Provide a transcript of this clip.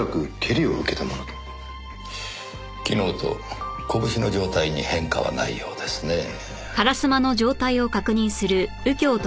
昨日と拳の状態に変化はないようですねぇ。